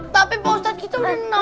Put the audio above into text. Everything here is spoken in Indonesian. tapi pak ustadz kita mau nawarin ke harry